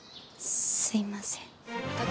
すいません。